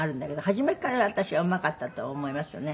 初めから私はうまかったと思いますよね。